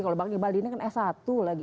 kalau bang ibaldi ini kan s satu lagi